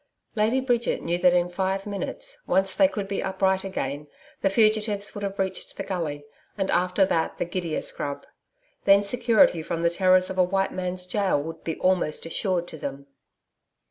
Lady Bridget knew that in five minutes, once they could be upright again, the fugitives would have reached the gully, and after that the gidia scrub. Then security from the terrors of a white man's gaol would be almost assured to them.